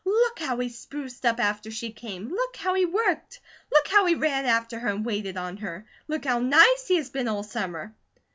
"Look how he spruced up after she came!" "Look how he worked!" "Look how he ran after and waited on her!" "Look how nice he has been all summer!"